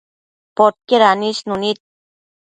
Podquied anisnu nid